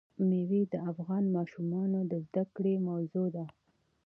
مېوې د افغان ماشومانو د زده کړې موضوع ده.